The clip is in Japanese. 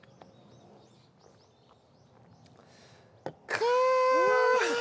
かあ！